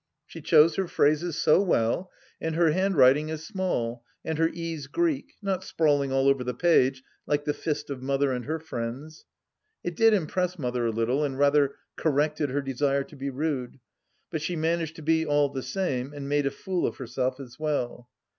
She chose her phrases so well, and her handwriting is small and her e's Greek, not sprawling all over the page like the fist of Mother and her friends. It did impress Mother a little, and rather corrected her desire to be rude, but she managed to be, all the same, and made a fool of herself as well.